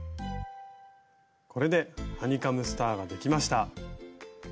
これでハニカムスターができました！